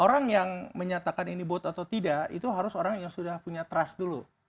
orang yang menyatakan ini bot atau tidak itu harus orang yang sudah punya trust dulu